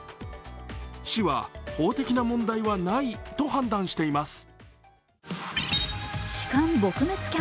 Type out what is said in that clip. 市は法的な問題はないと判断しています。